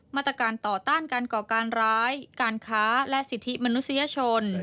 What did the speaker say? มาตรการต่อต้านการก่อการร้ายการค้าและสิทธิมนุษยชน